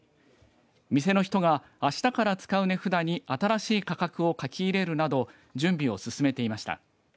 店の人が、あしたから使う値札に新しい価格を書き入れるなど準備を進めていました。